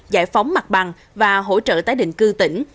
giải phóng mặt bằng và hỗ trợ tái định cư tỉnh